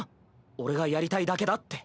俺がやりたいだけだって。